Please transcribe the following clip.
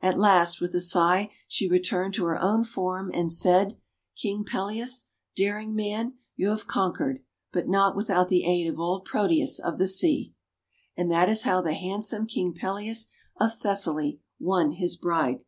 At last, with a sigh, she returned to her own form, and said: — "King Peleus, daring man, you have con quered. But not without the aid of old Proteus of the sea!" And that is how the handsome King Peleus of Thessaly won his bride.